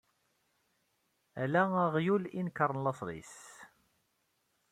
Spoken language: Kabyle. Ala aɣyul i yenekṛen laṣel-is.